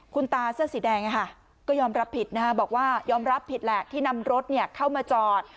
คุณตาเสื้อสีแดงก็ยอมรับผิดนะฮะบอกว่ายอมรับผิดแหละที่นำรถเข้ามาจอด